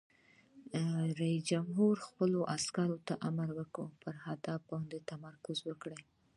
رئیس جمهور خپلو عسکرو ته امر وکړ؛ پر هدف باندې تمرکز وکړئ!